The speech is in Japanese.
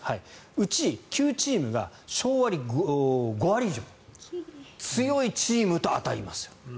うち９チームが勝率５割以上強いチームと当たります。